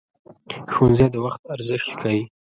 ښوونځی د وخت ارزښت ښيي